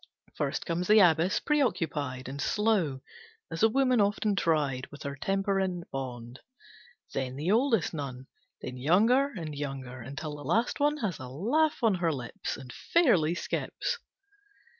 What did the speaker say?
First comes the Abbess, preoccupied And slow, as a woman often tried, With her temper in bond. Then the oldest nun. Then younger and younger, until the last one Has a laugh on her lips, And fairly skips.